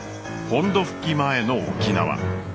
本土復帰前の沖縄。